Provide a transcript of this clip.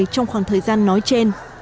trong khoảng thời gian nói trên